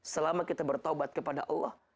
selama kita bertobat kepada allah